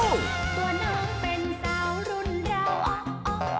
หุ่นเถิงกาบ๊อกบาวมาตบมาตอบ